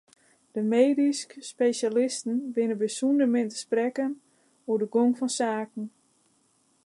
De medysk spesjalisten binne bysûnder min te sprekken oer de gong fan saken.